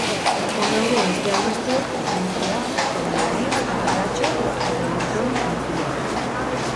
Hor daude, besteak beste, Ermitia, Praileaitz, Langatxo eta Iruroin haitzuloak.